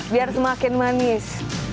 biar semakin manis